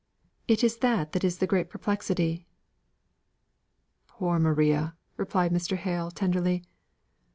It is that that is the great perplexity." "Poor Maria!" replied Mr. Hale tenderly.